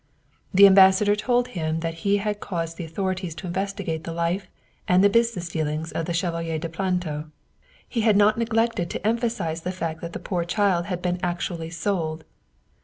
The ambassador told him that he had caused the authorities to investigate the life and the busi ness dealings of the Chevalier de Planto. He had not neglected to emphasize the fact that the poor child' had been actually sold.